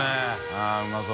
あぁうまそう。